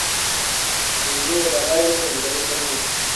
که نجونې وفادارې وي نو جدایی به نه وي.